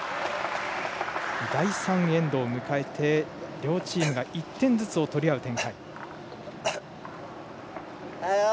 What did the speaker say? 第３エンドを迎えて、両チームが１点ずつを取り合う展開。